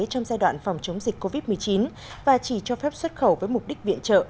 trong giai đoạn phòng chống dịch covid một mươi chín và chỉ cho phép xuất khẩu với mục đích viện trợ